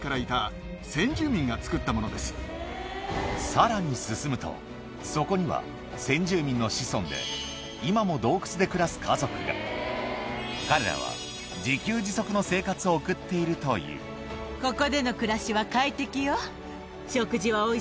さらに進むとそこには先住民の子孫で今も洞窟で暮らす家族が彼らは自給自足の生活を送っているというすごい乗り物事情ですねこれ。